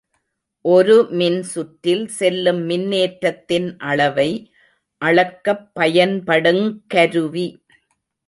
ஒரு மின்சுற்றில் செல்லும் மின்னேற்றத்தின் அளவை அளக்கப் பயன்படுங் கருவி.